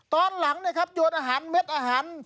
ตอนหลังโยนอาหารเม็ดอาหาร